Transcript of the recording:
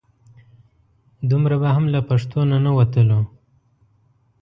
دومره به هم له پښتو نه نه وتلو.